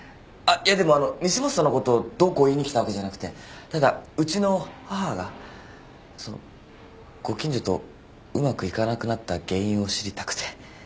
あっいやでもあの西本さんのことをどうこう言いに来たわけじゃなくてただうちの母がそのご近所とうまくいかなくなった原因を知りたくて。